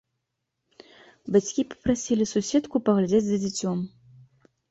Бацькі папрасілі суседку паглядзець за дзіцем.